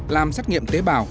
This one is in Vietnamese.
làm xét nghiệm tế bào